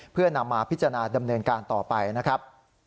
เพื่อนำมาพิจารณาดำเนินการต่อไปนะครับ